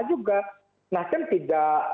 juga nasden tidak